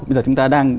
bây giờ chúng ta đang